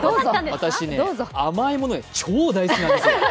私ね、甘いものが超大好きなんですよ。